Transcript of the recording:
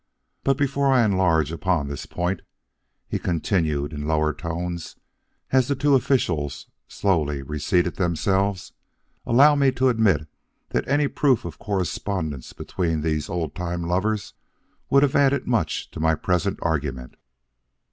But before I enlarge upon this point," he continued in lower tones as the two officials slowly reseated themselves, "allow me to admit that any proof of correspondence between these old time lovers would have added much to my present argument.